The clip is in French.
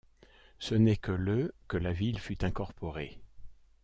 Ce n'est que le que la ville fut incorporée.